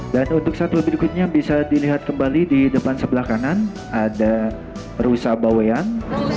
dan untuk satwa berikutnya bisa dilihat kembali di depan sebelah kanan ada rusa bawean